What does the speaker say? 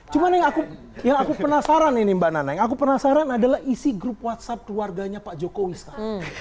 cuma yang aku penasaran ini mbak nana yang aku penasaran adalah isi grup whatsapp keluarganya pak jokowi sekarang